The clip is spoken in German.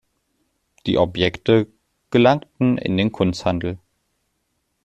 Die Objekte gelangten in den Kunsthandel.